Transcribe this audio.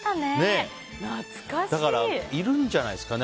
だから、いるんじゃないですか？